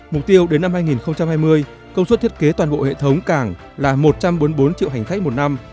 mục tiêu đến năm hai nghìn hai mươi công suất thiết kế toàn bộ hệ thống cảng là một trăm bốn mươi bốn triệu hành khách một năm